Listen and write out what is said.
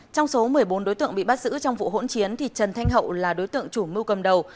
trong số một mươi bốn đối tượng bị bắt giữ trong vụ hỗn chiến trần thanh hậu là đối tượng chủ mưu cầm đầu